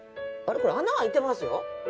これ穴開いてますよ。